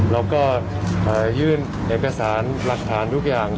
เราก็ยื่นเอกสารหลักฐานทุกอย่าง